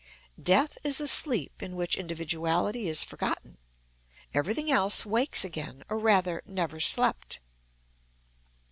Death is a sleep in which individuality is forgotten; everything else wakes again, or rather never slept.